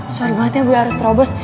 sorry banget ya gue harus terobos